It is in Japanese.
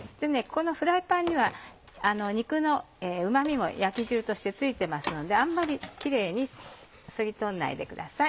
このフライパンには肉のうま味も焼き汁として付いてますのであんまりキレイに吸い取らないでください。